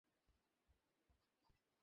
একটি কেহ কাছে নহিলে থাকিতে পারে না।